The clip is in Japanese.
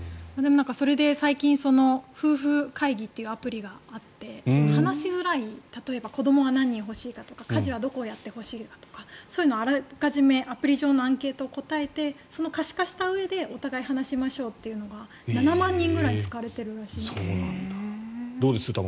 それで最近夫婦会議というアプリがあって話しづらい、例えば子どもが何人欲しいかとか家事はどこをやってほしいとかそういうのをあらかじめアプリ上のアンケートに答えてそれを可視化したうえでお互い話しましょうというのが７万人ぐらいに使われているらしいです。